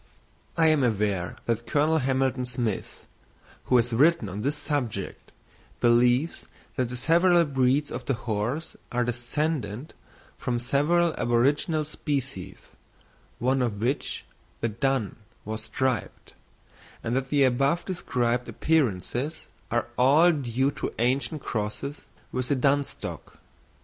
I am aware that Colonel Hamilton Smith, who has written on this subject, believes that the several breeds of the horse are descended from several aboriginal species, one of which, the dun, was striped; and that the above described appearances are all due to ancient crosses with the dun stock.